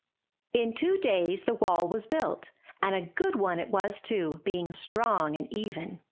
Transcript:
201 MY BOOK HOUSE In two days the wall was built, and a good one it was too, being strong and even.